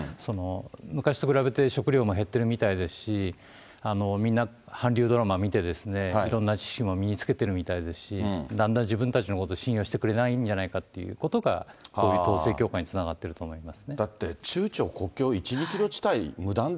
昔と比べて食料も減っているみたいですし、みんな、韓流ドラマ見て、いろんな知識も身につけているみたいだし、だんだん自分たちのこと信用してくれないんじゃないかっていうことが、こういう統制強化につながっていると思います。